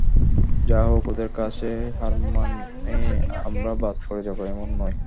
যাহোক, ওদের কাছে হার মানেই আমরা বাদ পড়ে যাব, এমন নয়।